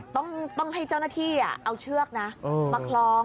ต้องให้เจ้าหน้าที่เอาเชือกนะมาคล้อง